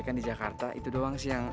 kan di jakarta itu doang sih yang